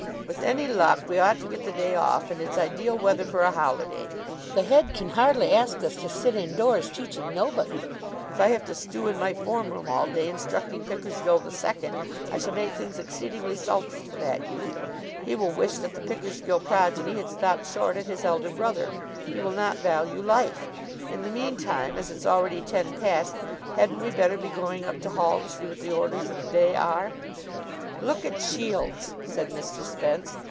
"With any luck we ought to get the day off, and it's ideal weather for a holiday. The head can hardly ask us to sit indoors, teaching nobody. If I have to stew in my form room all day, instructing Pickersgill II., I shall make things exceedingly sultry for that youth. He will wish that the Pickersgill progeny had stopped short at his elder brother. He will not value life. In the meantime, as it's already ten past, hadn't we better be going up to Hall to see what the orders of the day are?" "Look at Shields," said Mr. Spence.